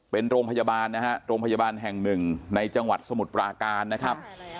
เป็นโรงพยาบาลนะฮะโรงพยาบาลแห่งหนึ่งในจังหวัดสมุทรปราการนะครับ